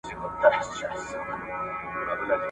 کتاب د انسان ذهن ته رڼا ورکوي او د ژوند لاره اسانه کوي `